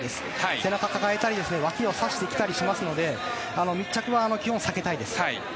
背中を抱えたりわきを差してきたりしますので密着は基本、避けたいです。